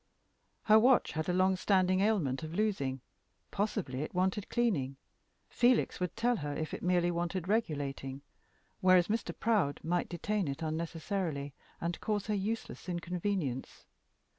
Her watch had a long standing ailment of losing; possibly it wanted cleaning; Felix would tell her if it merely wanted regulating, whereas Mr. Prowd might detain it unnecessarily, and cause her useless inconvenience.